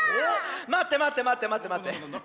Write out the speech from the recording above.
まってまってまってまってまって。